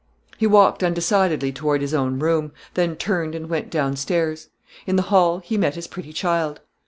He walked undecidedly toward his own room, then turned and went down stairs. In the hall he met his pretty child.